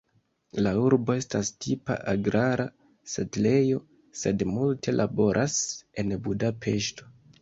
La urbo estas tipa agrara setlejo, sed multe laboras en Budapeŝto.